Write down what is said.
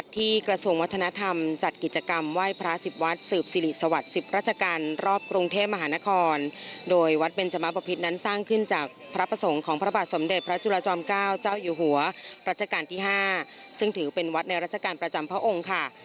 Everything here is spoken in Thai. ตกแต่งโดยรอบพระอุโบสถค่ะ